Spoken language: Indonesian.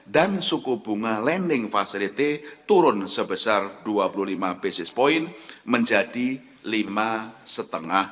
dan suku bunga lending facility turun sebesar dua puluh lima basis point menjadi empat persen